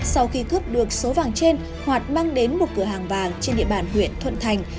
sau khi cướp được số vàng trên hoạt mang đến một cửa hàng vàng trên địa bàn huyện thuận thành